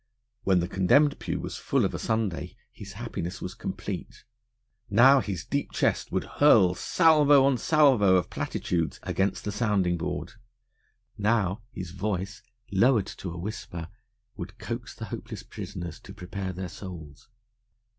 When the condemned pew was full of a Sunday his happiness was complete. Now his deep chest would hurl salvo on salvo of platitudes against the sounding board; now his voice, lowered to a whisper, would coax the hopeless prisoners to prepare their souls.